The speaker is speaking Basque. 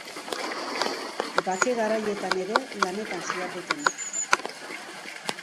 Bake garaietan ere, lanetan ziharduten.